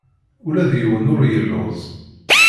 Ula d yiwen ur yelluẓ.